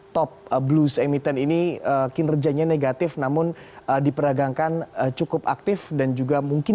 top blues emiten ini kinerjanya negatif namun diperagakan cukup aktif dan juga mungkin